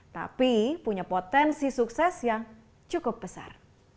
tapi punya potensi sukses yang cukup besar